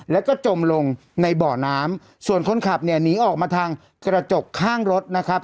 แล้วก็จมลงในเบาะน้ำส่วนคนขับเนี่ยหนีออกมาทางกระจกข้างรถนะครับ